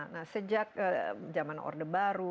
nah sejak zaman orde baru